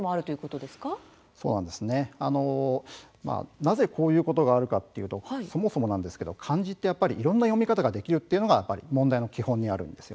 なぜこういうことがあるかというとそもそもですが漢字っていろいろな読み方ができるというのは問題の基本にあるんです。